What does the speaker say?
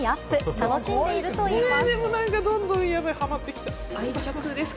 楽しんでいるといいます。